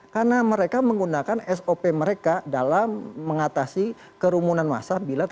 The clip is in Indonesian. karena mereka menggunakan sop mereka dalam mengatasi kerumunan masa